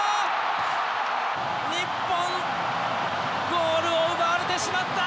日本ゴールを奪われてしまった！